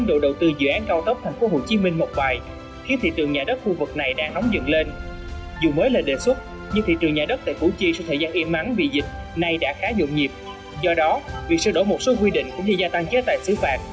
do đó việc sơ đổi một số quy định cũng như gia tăng chế tài xứ phạt